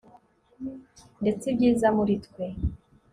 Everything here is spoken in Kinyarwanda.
ndetse ibyiza muri twe